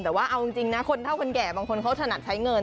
แต่ว่าเอาจริงนะคนเท่าคนแก่บางคนเขาถนัดใช้เงิน